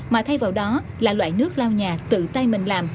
mà thay vào đó là loại nước lao nhà tự tay mình làm